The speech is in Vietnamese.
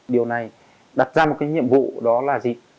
điều này đặt ra một cái nhiệm vụ đó là gì